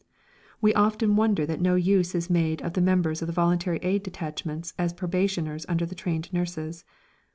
We often wonder that no use is made of the members of the Voluntary Aid Detachments as probationers under the trained nurses.